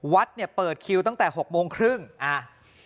วัดเนี่ยเปิดคิวตั้งแต่หกโมงครึ่งอ่า